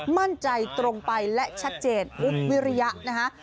มั่นใจตรงไปและชัดเจนทุกวิริยะนะคะ